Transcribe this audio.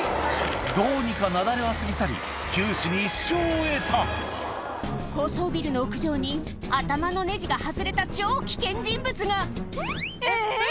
どうにか雪崩は過ぎ去り九死に一生を得た高層ビルの屋上に頭のネジが外れた超危険人物がえぇ！